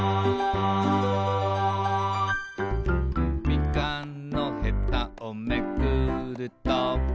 「みかんのヘタをめくると」